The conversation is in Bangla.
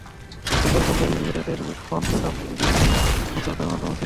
লেখার ভুল ধরিয়ে দিতে যাঁদের ফোন পেতাম, এবিএম মূসা তাঁদের অন্যতম ছিলেন।